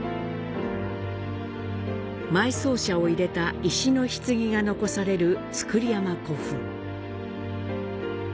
埋葬者を入れた石の棺が残される造山古墳。